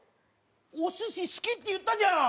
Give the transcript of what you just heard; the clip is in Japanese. お寿司好きって言ったじゃん！